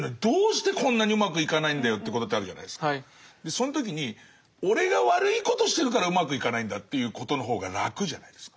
その時に俺が悪いことしてるからうまくいかないんだっていうことの方が楽じゃないですか。